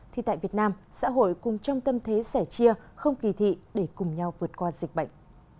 thì tại việt nam xã hội cùng trong tâm thế sẻ chia không kỳ thị để cùng nhau vượt qua dịch bệnh